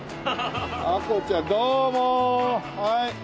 アコちゃんどうもはい。